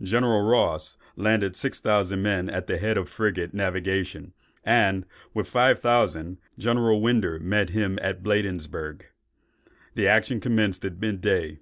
General Ross landed six thousand men at the head of frigate navigation, and, with five thousand, General Winder met him at Bladensburg. The action commenced at mid day.